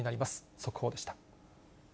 速報でした。